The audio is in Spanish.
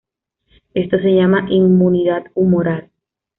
Esto se llama inmunidad humoral.